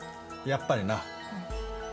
「やっぱり」？